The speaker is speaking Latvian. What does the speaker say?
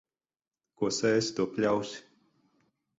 Ko sēsi, to pļausi.